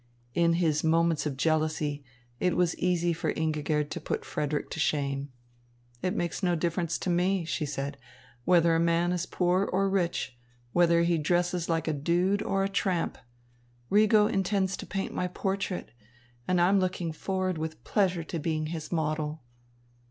In his moments of jealousy, it was easy for Ingigerd to put Frederick to shame. "It makes no difference to me," she said, "whether a man is poor or rich, whether he dresses like a dude or a tramp. Rigo intends to paint my portrait, and I'm looking forward with pleasure to being his model."